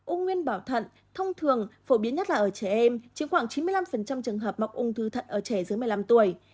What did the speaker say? ung nguyên bảo thận thông thường phổ biến nhất là ở trẻ em chiếm khoảng chín mươi năm trường hợp mắc ung thư thận ở trẻ dưới một mươi năm tuổi